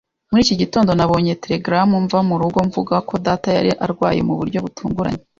Muri iki gitondo, nabonye telegaramu mva mu rugo mvuga ko data yari arwaye mu buryo butunguranye.